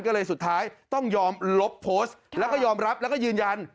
ก็เลยสุดท้ายต้องยอมลบโพสต์แล้วก็ยอมรับแล้วก็ยืนยัน